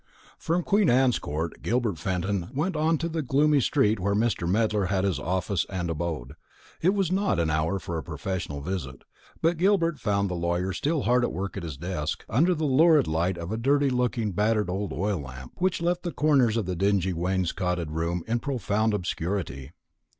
From Queen Anne's Court Gilbert Fenton went on to the gloomy street where Mr. Medler had his office and abode. It was not an hour for a professional visit; but Gilbert found the lawyer still hard at work at his desk, under the lurid light of a dirty looking battered old oil lamp, which left the corners of the dingy wainscoted room in profound obscurity.